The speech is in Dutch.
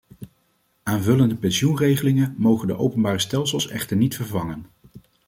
Aanvullende pensioenregelingen mogen de openbare stelsels echter niet vervangen.